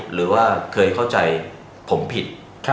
หรือว่าเคยเข้าใจผมผิด